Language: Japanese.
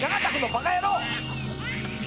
バカ野郎！〕